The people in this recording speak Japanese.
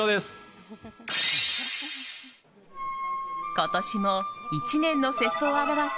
今年も１年の世相を表す